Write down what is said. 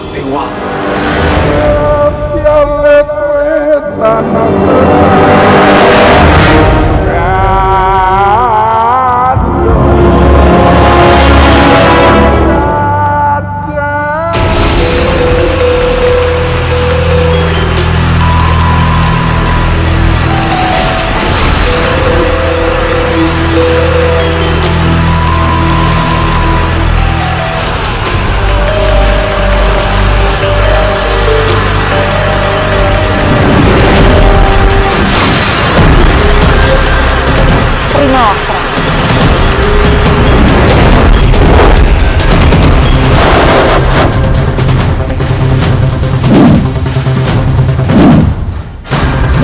tentang wapah sebagai kehendak mewah